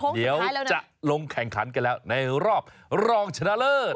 เดี๋ยวจะลงแข่งขันกันแล้วในรอบรองชนะเลิศ